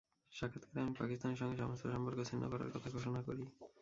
সাক্ষাত্কারে আমি পাকিস্তানের সঙ্গে সমস্ত সম্পর্ক ছিন্ন করার কথা ঘোষণা করি।